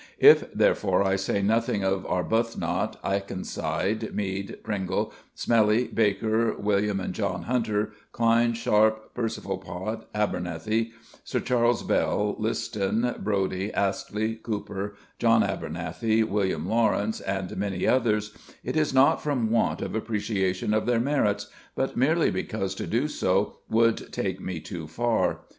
If, therefore, I say nothing of Arbuthnot, Akenside, Mead, Pringle, Smellie, Baker, William and John Hunter, Cline, Sharpe, Percival Pott, Abernethy, Sir Charles Bell, Liston, Brodie, Astley Cooper, John Abernethy, William Lawrence, and many others, it is not from want of appreciation of their merits, but merely because to do so would take me too far.